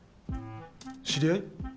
知り合い？